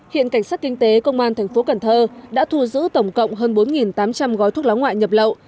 hiện cảnh sát kinh tế công an thành phố cần thơ đã thu giữ tổng cộng hơn bốn tám trăm linh gói thuốc lá ngoại nhập lậu